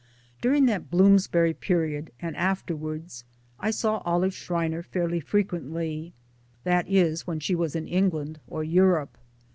During that Bloomsbury period and afterwards I saw Olive Schreiner fairly frequently that is, when she was in England (or Europe).